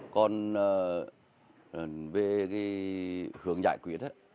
còn về hướng giải quyết